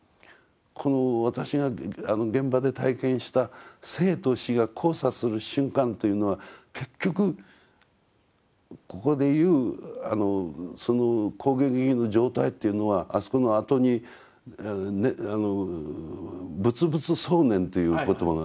この私が現場で体験した生と死が交差する瞬間というのは結局ここで言う光顔巍々の状態というのはあそこの後に「仏仏相念」という言葉がございます。